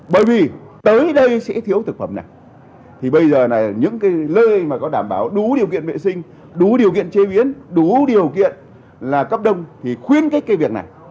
bởi vì tới đây sẽ thiếu thực phẩm này thì bây giờ những lơi có đảm bảo đủ điều kiện vệ sinh đủ điều kiện chế biến đủ điều kiện cấp đông thì khuyến kích cái việc này